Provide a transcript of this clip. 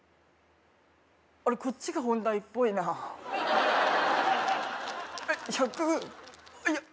あれこっちが本題っぽいなえっ１００